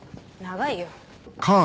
長いよ。